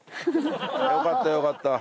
よかったよかった。